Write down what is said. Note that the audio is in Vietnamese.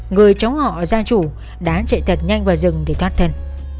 người chóng họ ra chủ đã chạy thật nhanh vào rừng để thoát thân